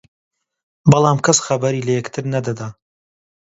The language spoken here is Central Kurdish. بەڵام کەس خەبەری لە یەکتر نەدەدا